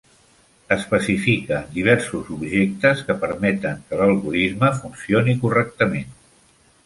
Especifica diversos "objectes" que permeten que algorisme funcioni correctament.